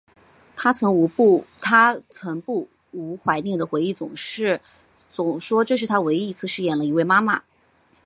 她曾不无怀念的回忆说这是她唯一一次饰演了一位妈妈。